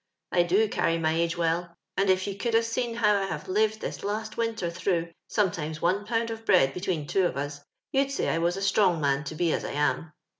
I do carry my age well ; and if you could ha' seen how I have lived this last winter through, sometimes one pound of bread between two of us, you'd say I was a strong man to be as I am.